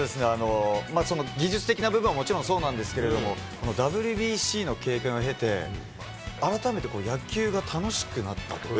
その技術的な部分ももちろんそうなんですけれども、ＷＢＣの経験を経て、改めて野球が楽しくなったと。